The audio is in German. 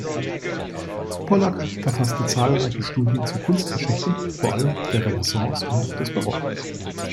Pollak verfasste zahlreiche Studien zur Kunstgeschichte, vor allem der Renaissance und des Barock.